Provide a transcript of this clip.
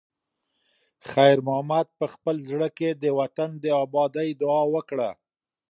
خیر محمد په خپل زړه کې د وطن د ابادۍ دعا وکړه.